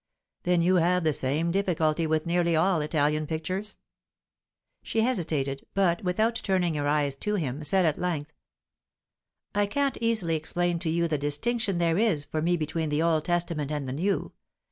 "Then you have the same difficulty with nearly all Italian pictures?" She hesitated; but, without turning her eyes to him, said at length: "I can't easily explain to you the distinction there is for me between the Old Testament and the New.